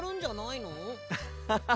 アッハハ。